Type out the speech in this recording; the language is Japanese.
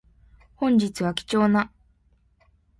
本日は貴重な